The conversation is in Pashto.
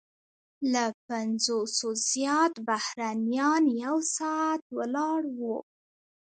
له پنځوسو زیات بهرنیان یو ساعت ولاړ وو.